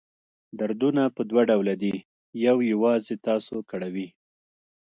دردونه په دوه ډوله دي یو یوازې تاسو کړوي.